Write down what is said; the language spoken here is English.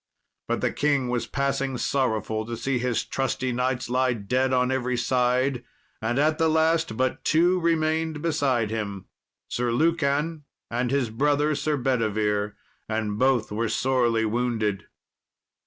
But the king was passing sorrowful to see his trusty knights lie dead on every side. And at the last but two remained beside him, Sir Lucan, and his brother, Sir Bedivere, and both were sorely wounded.